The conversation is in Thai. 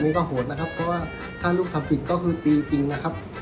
นี่ก็โหดนะครับเพราะว่าถ้าลูกทำผิดก็คือตีจริงนะครับ